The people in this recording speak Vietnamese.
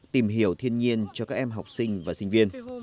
tìm hiểu thiên nhiên cho các em học sinh và sinh viên